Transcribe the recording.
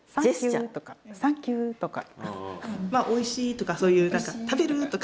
「おいし」とかそういう何か「食べる」とか。